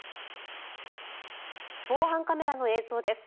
防犯カメラの映像です。